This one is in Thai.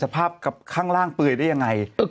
สภาพข้างล่างเปลือยได้ยังไง